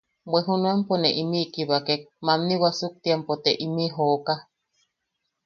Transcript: Bwe junuenpo ne imiʼi kibakek... mammni wasuktiapo te imiʼi jooka.